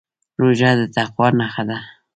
روژه د تقوا نښه ده.